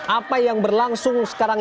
apa yang berlangsung sekarang